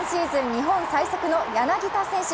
日本最速の柳田選手。